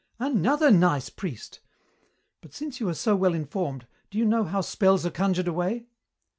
"Another nice priest! But since you are so well informed, do you know how spells are conjured away?"